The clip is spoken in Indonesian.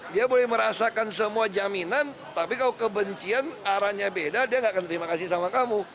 dia boleh merasakan semua jaminan tapi kalau kebencian arahnya beda dia gak akan terima kasih sama kamu